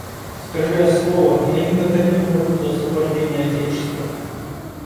Скажи я слово и они как один умрут за освобождение отечества.